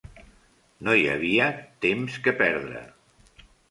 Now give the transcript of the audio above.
No hi havia temps que perdre.